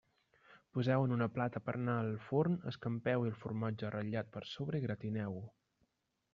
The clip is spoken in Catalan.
Poseu-ho en una plata per a anar al forn, escampeu-hi el formatge ratllat per sobre i gratineu-ho.